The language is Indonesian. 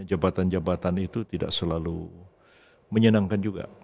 jadi saya berpikir jabatan jabatan itu tidak selalu menyenangkan juga